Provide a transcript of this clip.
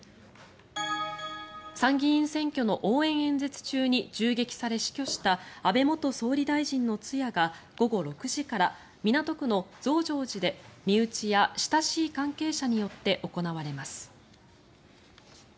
参議院選挙の応援演説中に銃撃され死去した安倍元総理大臣の通夜が午後６時から港区の増上寺で身内や親しい関係者によって行われます。